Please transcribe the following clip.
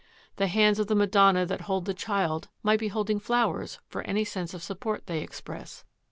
The hands of the Madonna that hold the Child might be holding flowers for any sense of support they express.